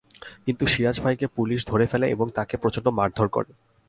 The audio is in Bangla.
কিন্তু সিরাজ ভাইকে পুলিশ ধরে ফেলে এবং তাঁকে প্রচণ্ড মারধর করে।